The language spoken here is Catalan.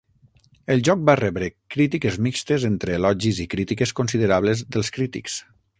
El joc va rebre crítiques mixtes entre elogis i crítiques considerables dels crítics.